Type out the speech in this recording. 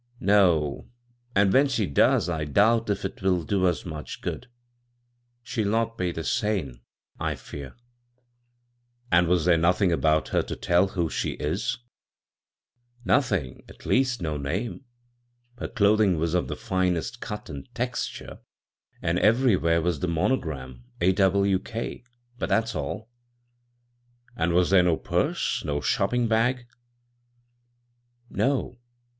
" No ; and when she does I doubt if it will do us much good — she'll not be sane, I fear." " And was there nothing about her to tell who she is ?" 38 b, Google CROSS CURRENTS •* Nothing— at least, no name. Her doth ing was of the finest cut and texture, and everywhere was the monogram, ' AWK '; but that's all." "And was there no purse? no shopping bag?" " No.